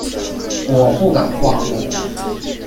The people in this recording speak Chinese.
我不敢跨过